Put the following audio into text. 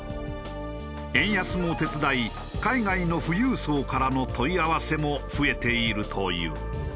円安も手伝い海外の富裕層からの問い合わせも増えているという。